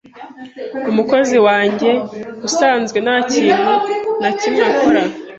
Umukozi wanjye usanzwe ntakintu nakimwe akora.